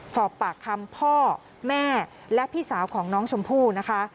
สอบปากคำพ่อแม่และพี่สาวของน้องชมพู่นะคะ